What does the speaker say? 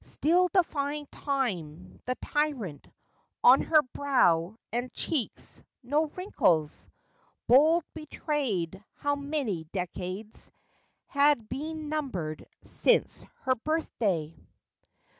Still defying time—the tyrant— On her brow, and cheeks, no wrinkles Bold, betrayed, how many decades Had been numbered since her birthday